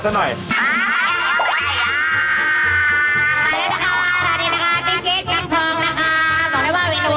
เมื่อกี้ได้กินไหมรีลาการเที่ยวดูคะ